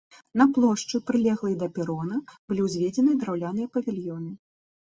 На плошчы, прылеглай да перона, былі ўзведзены драўляныя павільёны.